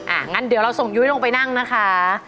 งั้นเดี๋ยวเราส่งยุ้ยลงไปนั่งนะคะ